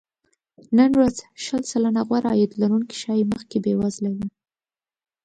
نن ورځ شل سلنه غوره عاید لرونکي ښايي مخکې بې وزله وي